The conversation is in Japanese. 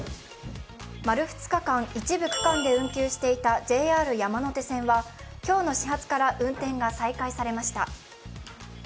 丸２日間、一部区間で運休していたＪＲ山手線は今日の始発から運転が再開されました。